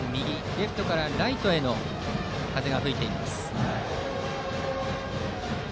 レフトからライトへの風が吹いています。